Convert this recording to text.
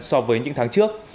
so với những tháng trước